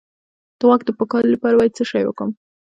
د غوږ د پاکوالي لپاره باید څه شی وکاروم؟